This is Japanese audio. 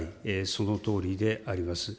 そのとおりであります。